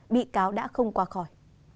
bị cáo đã không qua khỏi